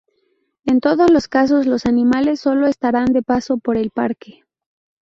En todos los casos, los animales sólo estarán de paso por el Parque.